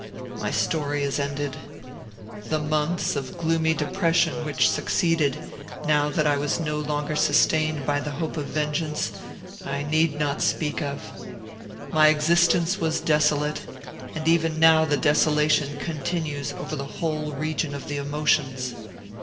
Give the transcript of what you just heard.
"My story is ended. The months of gloomy depression which succeeded, now that I was no longer sustained by the hope of vengeance, I need not speak of. My existence was desolate, and even now the desolation continues over the whole region of the emotions.